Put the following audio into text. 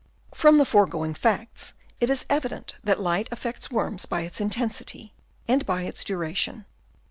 From the foregoing facts it is evident that light affects worms by its intensity and by its duration.